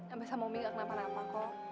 abah sama umi gak kenapa napa kok